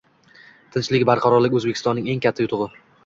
Tinchlik, barqarorlik – O‘zbekistonning eng katta yutug‘i